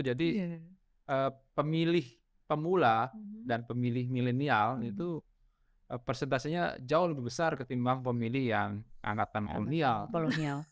jadi pemilih pemula dan pemilih milenial itu persentasenya jauh lebih besar ketimbang pemilih yang anak anak unial